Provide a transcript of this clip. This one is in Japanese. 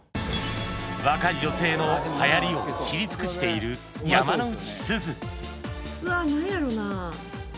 若い女性の流行りを知り尽くしているうわぁ何やろうなぁ。